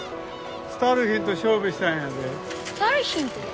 スタルヒンと勝負したんやでスタルヒンって誰？